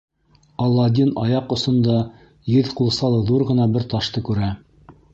Аладдин аяҡ осонда еҙ ҡулсалы ҙур ғына бер ташты күрә.